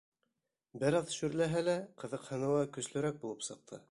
Бер аҙ шөрләһә лә, ҡыҙыҡһыныуы көслөрәк булып сыҡты.